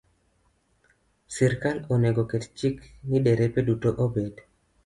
Sirkal onego oket chik ni derepe duto obed